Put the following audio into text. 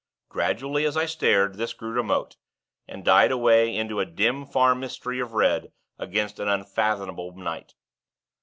Gradually as I stared this grew remote, and died away into a dim far mystery of red against an unfathomable night.